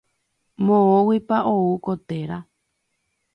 Moõguipa ou ko téra.